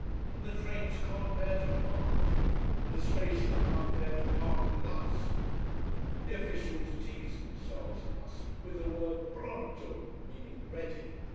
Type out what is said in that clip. And the trains can't bear to part. And the station can't bear to part with us. The officials tease themselves and us with the word pronto, meaning _ready!